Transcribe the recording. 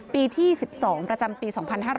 ปีที่๑๒ประจำปี๒๕๖๓๒๕๖๔